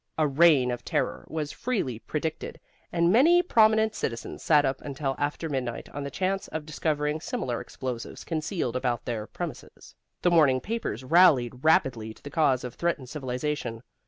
A reign of terror was freely predicted, and many prominent citizens sat up until after midnight on the chance of discovering similar explosives concealed about their premises. The morning papers rallied rapidly to the cause of threatened civilization.